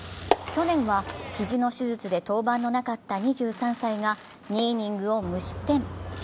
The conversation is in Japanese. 去年は肘の手術で登板のなかった２３歳が２イニングを無失点。